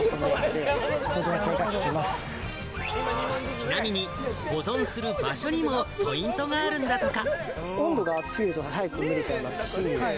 ちなみに保存する場所にもポイントがあるんだとか。